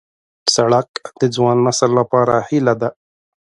سړک د ځوان نسل لپاره هیله ده.